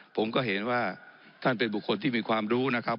ผมก็เห็นว่าท่านเป็นบุคคลที่มีความรู้นะครับ